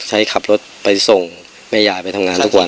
ให้ขับรถไปส่งแม่ยายไปทำงานทุกวัน